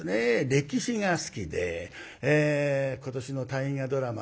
歴史が好きで今年の大河ドラマ